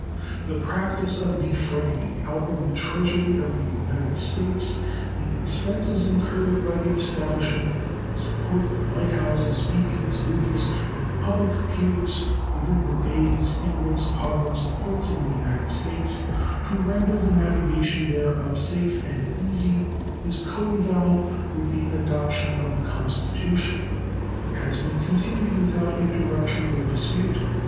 The practice of defraying out of the Treasury of the United States the expenses incurred by the establishment and support of light houses, beacons, buoys, and public piers within the bays, inlets, harbors, and ports of the United States, to render the navigation thereof safe and easy, is coeval with the adoption of the Constitution, and has been continued without interruption or dispute.